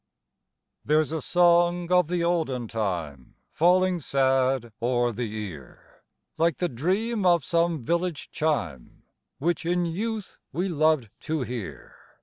There's a song of the olden time, Falling sad o'er the ear, Like the dream of some village chime, Which in youth we loved to hear.